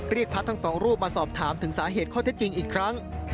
พระทั้งสองรูปมาสอบถามถึงสาเหตุข้อเท็จจริงอีกครั้ง